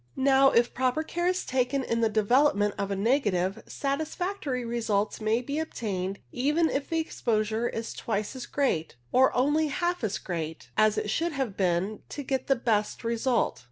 Now, if proper care is taken in the development of a negative, satisfactory results may be attained even if the exposure is twice as great, or only half as great, as it should have been to get the best result.